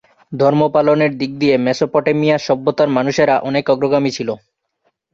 ধর্ম পালনের দিক দিয়ে মেসোপটেমিয়া সভ্যতার মানুষেরা অনেক অগ্রগামী ছিলো।